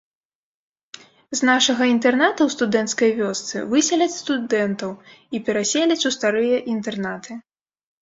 З нашага інтэрната ў студэнцкай вёсцы высяляць студэнтаў і пераселяць у старыя інтэрнаты.